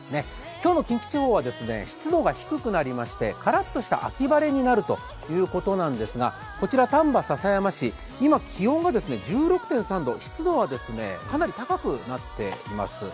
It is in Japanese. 今日の近畿地方は湿度が低くなりまして、からっとした秋晴れになるということなんですがこちら丹波篠山市、今、気温が１６．３度湿度はかなり高くなっています。